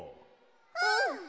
うん！